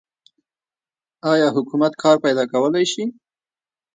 آیا حکومت کار پیدا کولی شي؟